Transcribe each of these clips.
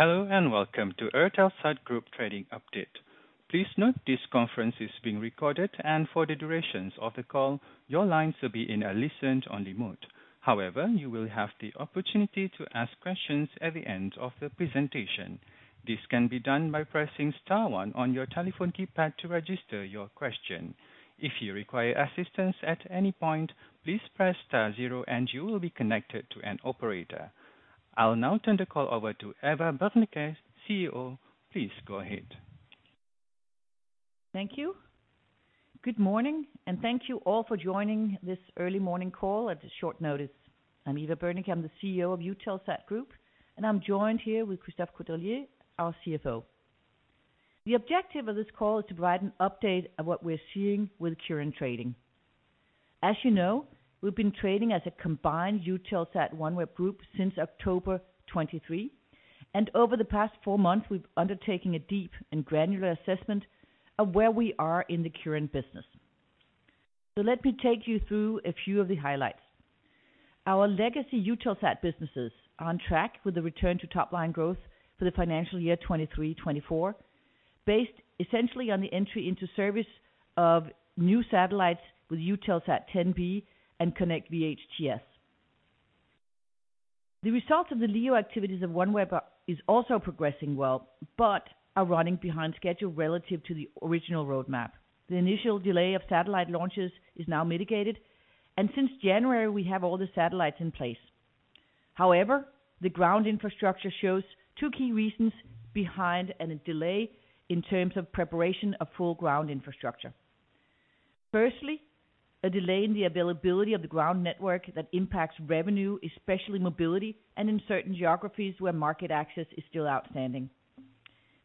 Hello, and welcome to Eutelsat Group Trading Update. Please note this conference is being recorded, and for the duration of the call, your lines will be in a listen-only mode. However, you will have the opportunity to ask questions at the end of the presentation. This can be done by pressing star one on your telephone keypad to register your question. If you require assistance at any point, please press star zero, and you will be connected to an operator. I'll now turn the call over to Eva Berneke, CEO. Please go ahead. Thank you. Good morning, and thank you all for joining this early morning call at a short notice. I'm Eva Berneke. I'm the CEO of Eutelsat Group, and I'm joined here with Christophe Caudrelier, our CFO. The objective of this call is to provide an update of what we're seeing with current trading. As you know, we've been trading as a combined Eutelsat OneWeb group since October 2023, and over the past four months, we've undertaken a deep and granular assessment of where we are in the current business. Let me take you through a few of the highlights. Our legacy Eutelsat businesses are on track with a return to top-line growth for the financial year 2023-2024, based essentially on the entry into service of new satellites with Eutelsat 10B and KONNECT VHTS. The results of the LEO activities of OneWeb are also progressing well, but are running behind schedule relative to the original roadmap. The initial delay of satellite launches is now mitigated, and since January, we have all the satellites in place. However, the ground infrastructure shows two key reasons behind a delay in terms of preparation of full ground infrastructure. Firstly, a delay in the availability of the ground network that impacts revenue, especially mobility and in certain geographies where market access is still outstanding.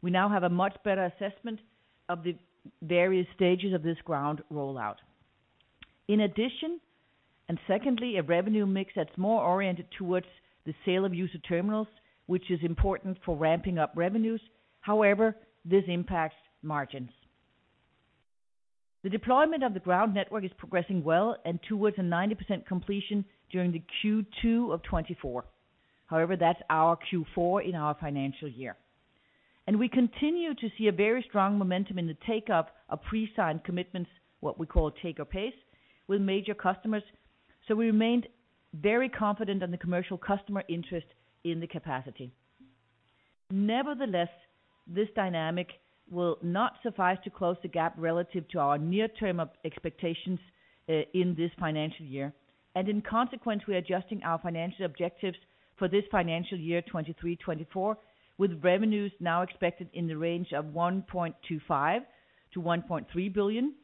We now have a much better assessment of the various stages of this ground rollout. In addition, and secondly, a revenue mix that's more oriented towards the sale of user terminals, which is important for ramping up revenues. However, this impacts margins. The deployment of the ground network is progressing well and towards a 90% completion during the Q2 of 2024. However, that's our Q4 in our financial year. We continue to see a very strong momentum in the take-up of pre-signed commitments, what we call take-or-pay, with major customers, so we remained very confident on the commercial customer interest in the capacity. Nevertheless, this dynamic will not suffice to close the gap relative to our near-term expectations in this financial year. In consequence, we're adjusting our financial objectives for this financial year, 2023-2024, with revenues now expected in the range of 1.25 billion-1.3 billion,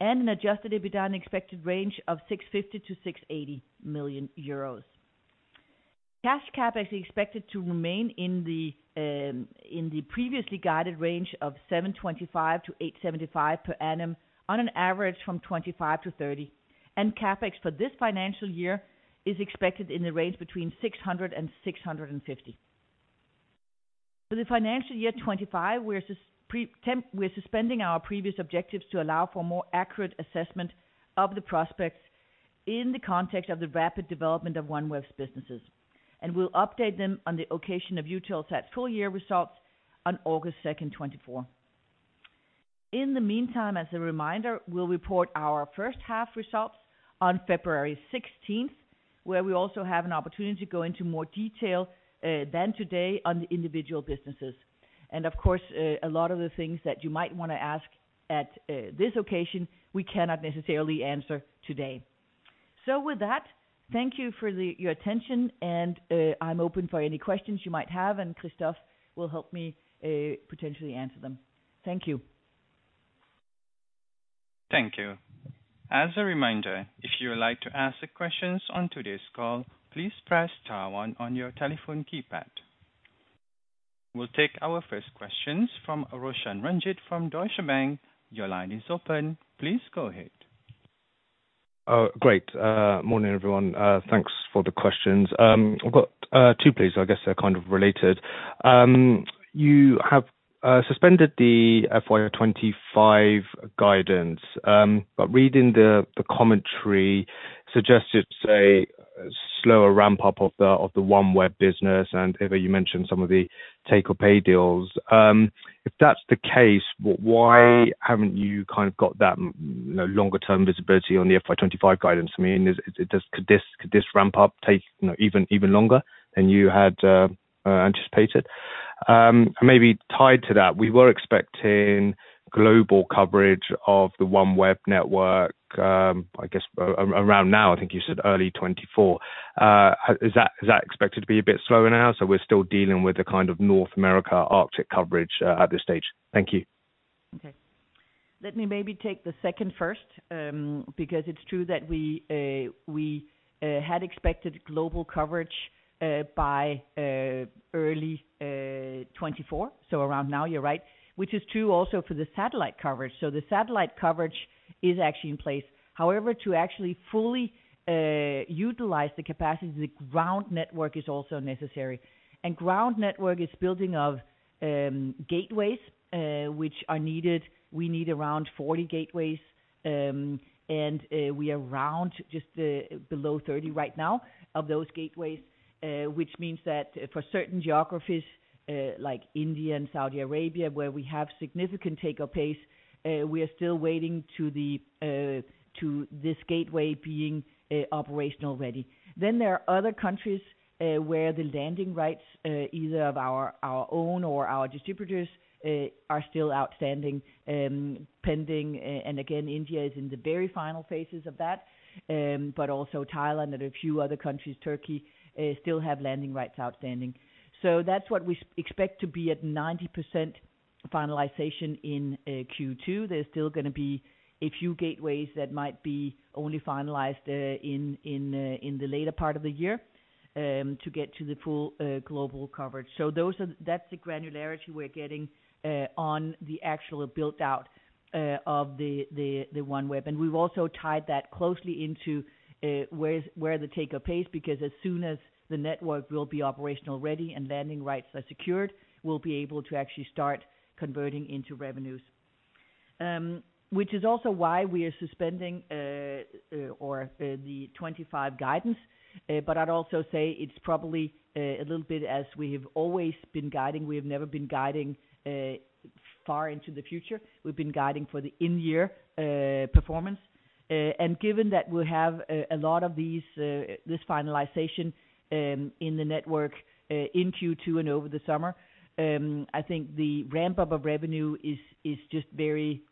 and an Adjusted EBITDA expected range of 650 million-680 million euros. Cash CapEx is expected to remain in the previously guided range of 725 million-875 million per annum on an average from 2025 to 2030. CapEx for this financial year is expected in the range between 600 million and 650 million. For the financial year 2025, we're suspending our previous objectives to allow for more accurate assessment of the prospects in the context of the rapid development of OneWeb's businesses, and we'll update them on the occasion of Eutelsat's full year results on August 2, 2024. In the meantime, as a reminder, we'll report our first half results on February 16, where we also have an opportunity to go into more detail than today on the individual businesses. And of course, a lot of the things that you might wanna ask at this occasion, we cannot necessarily answer today. So with that, thank you for your attention and I'm open for any questions you might have, and Christophe will help me potentially answer them. Thank you. Thank you. As a reminder, if you would like to ask the questions on today's call, please press star one on your telephone keypad. We'll take our first questions from Roshan Ranjit from Deutsche Bank. Your line is open. Please go ahead. Great. Morning, everyone. Thanks for the questions. I've got two please. I guess they're kind of related. You have suspended the FY 25 guidance, but reading the commentary suggested a slower ramp-up of the OneWeb business, and Eva, you mentioned some of the take-or-pay deals. If that's the case, why haven't you kind of got that, you know, longer-term visibility on the FY 25 guidance? I mean, is it... Could this ramp up take, you know, even longer than you had anticipated? Maybe tied to that, we were expecting global coverage of the OneWeb network, I guess around now, I think you said early 2024. Is that expected to be a bit slower now? So we're still dealing with the kind of North America Arctic coverage, at this stage. Thank you. Okay. Let me maybe take the second first, because it's true that we had expected global coverage by early 2024, so around now you're right, which is true also for the satellite coverage. So the satellite coverage is actually in place. However, to actually fully utilize the capacity, the ground network is also necessary. And ground network is building of gateways, which are needed. We need around 40 gateways, and we are around just below 30 right now of those gateways. Which means that for certain geographies, like India and Saudi Arabia, where we have significant take-or-pay, we are still waiting to the to this gateway being operational ready. Then there are other countries where the landing rights, either of our own or our distributors, are still outstanding, pending. And again, India is in the very final phases of that, but also Thailand and a few other countries, Turkey, still have landing rights outstanding. So that's what we expect to be at 90% finalization in Q2. There's still gonna be a few gateways that might be only finalized in the later part of the year to get to the full global coverage. So those are, that's the granularity we're getting on the actual built-out of the OneWeb. We've also tied that closely into where the take-up pace, because as soon as the network will be operational ready and landing rights are secured, we'll be able to actually start converting into revenues. Which is also why we are suspending the FY 25 guidance. But I'd also say it's probably a little bit as we have always been guiding. We have never been guiding far into the future. We've been guiding for the in-year performance. And given that we'll have a lot of these this finalization in the network in Q2 and over the summer, I think the ramp-up of revenue is just very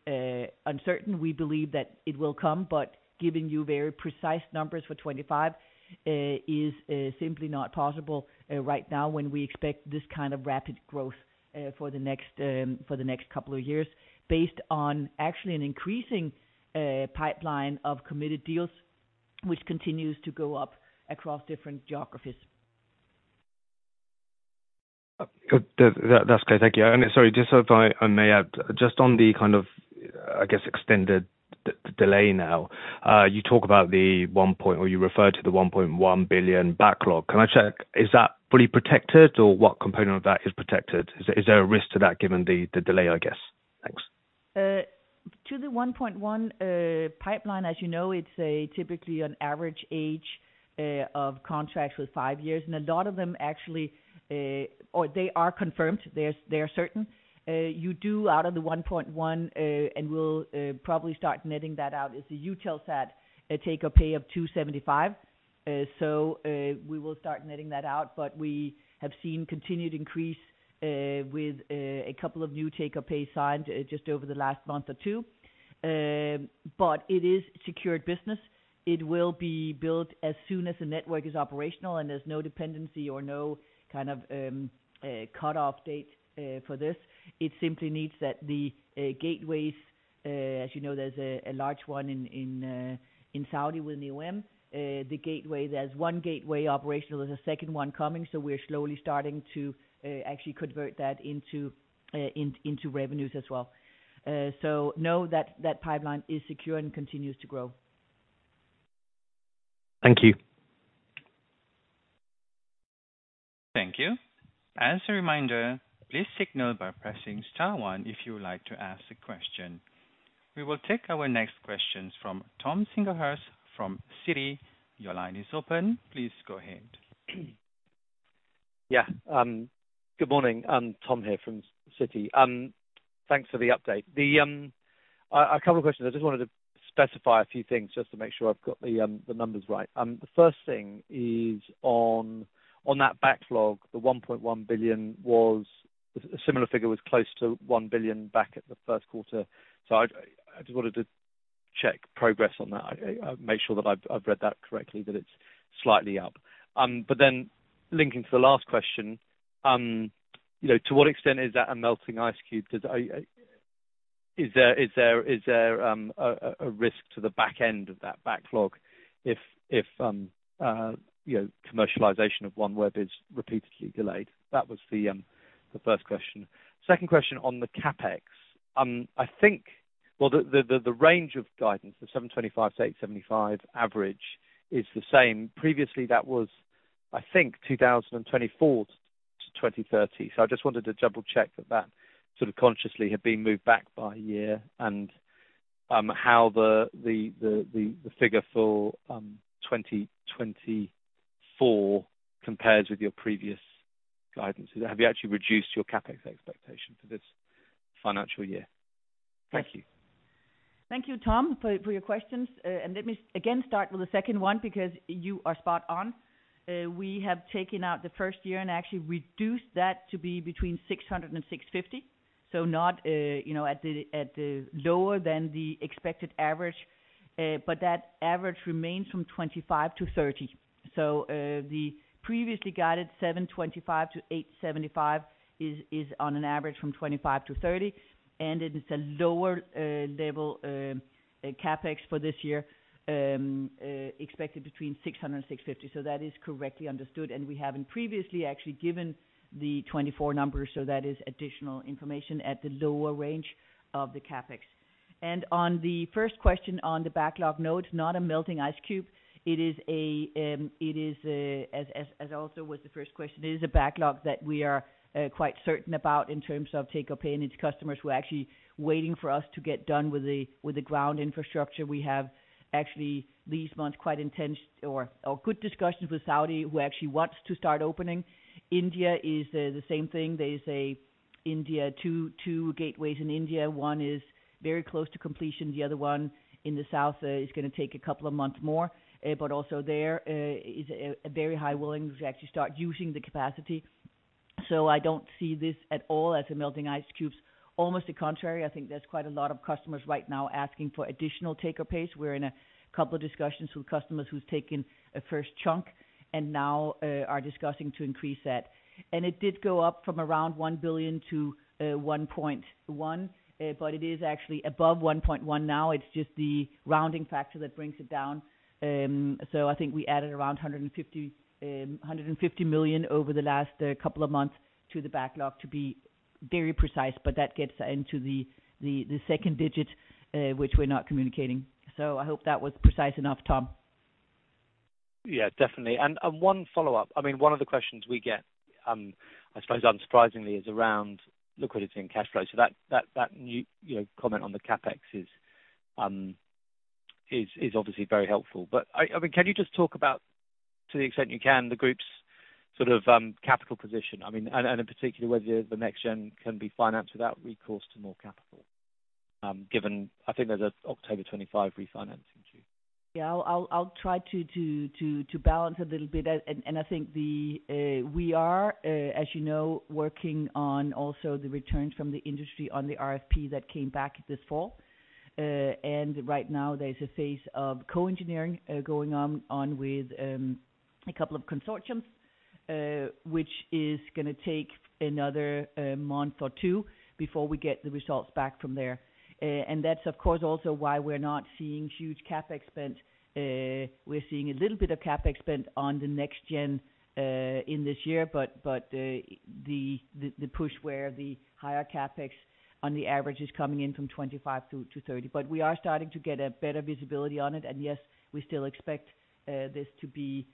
uncertain. We believe that it will come, but giving you very precise numbers for FY 25 is simply not possible right now, when we expect this kind of rapid growth for the next for the next couple of years, based on actually an increasing pipeline of committed deals, which continues to go up across different geographies. That, that's clear. Thank you. Sorry, just so if I may add, just on the kind of extended delay now, you refer to the 1.1 billion backlog. Can I check, is that fully protected or what component of that is protected? Is there a risk to that given the delay? Thanks. To the 1.1 billion pipeline, as you know, it's typically an average age of contracts with 5 years, and a lot of them actually are confirmed, they're certain. Out of the 1.1 billion, and we'll probably start netting that out, is a Eutelsat take-or-pay of 275 million. So, we will start netting that out, but we have seen continued increase with a couple of new take-or-pay signed just over the last month or two. But it is secured business. It will be built as soon as the network is operational, and there's no dependency or no kind of cutoff date for this. It simply needs that the gateways, as you know, there's a large one in Saudi with NEOM. The gateway, there's one gateway operational, there's a second one coming, so we're slowly starting to actually convert that into revenues as well. So know that that pipeline is secure and continues to grow. Thank you. Thank you. As a reminder, please signal by pressing star one, if you would like to ask a question. We will take our next questions from Tom Singlehurst, from Citi. Your line is open. Please go ahead. Yeah, good morning, Tom here from Citi. Thanks for the update. A couple of questions. I just wanted to specify a few things, just to make sure I've got the numbers right. The first thing is on that backlog, the 1.1 billion was... A similar figure, was close to 1 billion back at the first quarter. So I make sure that I've read that correctly, that it's slightly up. But then linking to the last question, you know, to what extent is that a melting ice cube? Because is there a risk to the back end of that backlog if, you know, commercialization of OneWeb is repeatedly delayed? That was the first question. Second question on the CapEx. I think. Well, the range of guidance, the 725-875 average is the same. Previously, that was, I think, 2024-2030. So I just wanted to double-check that that sort of consciously had been moved back by a year, and how the figure for 2024 compares with your previous guidance. Have you actually reduced your CapEx expectation for this financial year? Thank you. Thank you, Tom, for your questions. And let me again start with the second one, because you are spot on. We have taken out the first year and actually reduced that to be between 600-650. So not, you know, at the lower than the expected average, but that average remains from 2025 to 2030. So, the previously guided 725-875 is on an average from 2025 to 2030, and it's a lower level CapEx for this year expected between 600-650. So that is correctly understood, and we haven't previously actually given the 2024 numbers, so that is additional information at the lower range of the CapEx. On the first question, on the backlog, no, it's not a melting ice cube. It is, as also was the first question, a backlog that we are quite certain about in terms of take-or-pay, its customers who are actually waiting for us to get done with the ground infrastructure. We have actually, these months, quite intense or good discussions with Saudi, who actually wants to start opening. India is the same thing. They say two gateways in India. One is very close to completion, the other one in the south is gonna take a couple of months more. But also there is a very high willingness to actually start using the capacity. So I don't see this at all as a melting ice cube. Almost the contrary, I think there's quite a lot of customers right now asking for additional take-or-pay. We're in a couple of discussions with customers who's taken a first chunk and now are discussing to increase that. And it did go up from around 1 billion to 1.1 billion. But it is actually above 1.1 billion now, it's just the rounding factor that brings it down. So I think we added around 150, 150 million over the last couple of months to the backlog to be very precise, but that gets into the, the, the second digit, which we're not communicating. So I hope that was precise enough, Tom. Yeah, definitely. And one follow-up. I mean, one of the questions we get, I suppose unsurprisingly, is around liquidity and cash flow. So that new, you know, comment on the CapEx is obviously very helpful. But I mean, can you just talk about, to the extent you can, the group's sort of capital position? I mean, and in particular, whether the next gen can be financed without recourse to more capital, given I think there's an October 2025 refinancing due. Yeah, I'll try to balance a little bit. And I think we are, as you know, working on also the returns from the industry on the RFP that came back this fall. And right now there's a phase of co-engineering going on with a couple of consortiums, which is gonna take another month or two before we get the results back from there. And that's, of course, also why we're not seeing huge CapEx spend. We're seeing a little bit of CapEx spend on the next gen in this year, but the push where the higher CapEx on the average is coming in from 2025 to 2030. But we are starting to get a better visibility on it, and yes, we still expect this to be,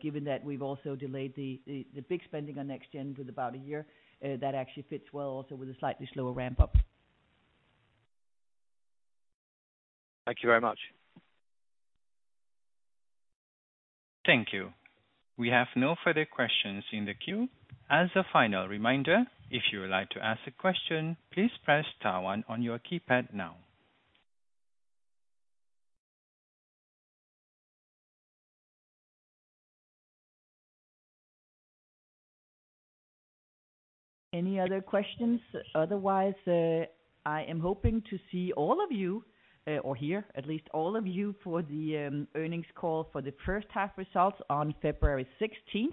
given that we've also delayed the big spending on next gen with about a year, that actually fits well also with a slightly slower ramp-up. Thank you very much. Thank you. We have no further questions in the queue. As a final reminder, if you would like to ask a question, please press star one on your keypad now. Any other questions? Otherwise, I am hoping to see all of you, or here, at least all of you, for the earnings call for the first half results on February 16,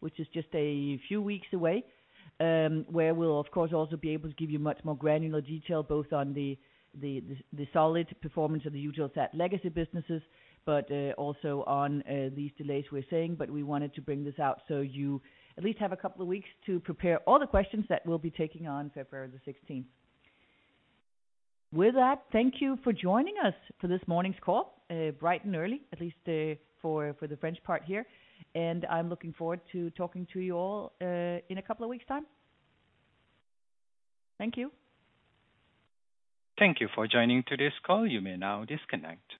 which is just a few weeks away. Where we'll of course also be able to give you much more granular detail, both on the solid performance of the Eutelsat legacy businesses, but also on these delays we're seeing. But we wanted to bring this out so you at least have a couple of weeks to prepare all the questions that we'll be taking on February 16. With that, thank you for joining us for this morning's call, bright and early, at least, for the French part here, and I'm looking forward to talking to you all, in a couple of weeks' time. Thank you. Thank you for joining today's call. You may now disconnect.